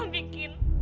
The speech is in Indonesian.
bukan aku yang bikin